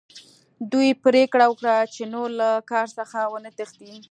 دوی پریکړه وکړه چې نور له کار څخه ونه تښتي